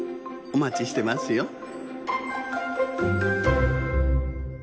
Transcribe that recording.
おまちしてますよ。